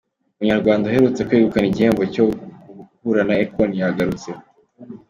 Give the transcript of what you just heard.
Umunyarwanda uherutse kwegukana igihembo cyo guhura na Akon yaragarutse